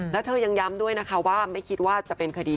แล้วเธอยังย้ำด้วยนะคะว่าไม่คิดว่าจะเป็นคดี